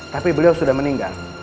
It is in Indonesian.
tapi beliau sudah meninggal